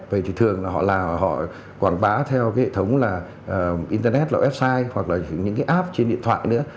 vậy thì thường là họ là họ quảng bá theo cái hệ thống là internet là website hoặc là những cái app trên điện thoại nữa